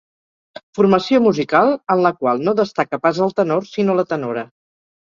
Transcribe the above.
Formació musical en la qual no destaca pas el tenor sinó la tenora.